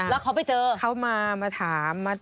แล้วเขาไปเจอเขามามาถาม